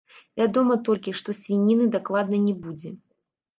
Вядома толькі, што свініны дакладна не будзе.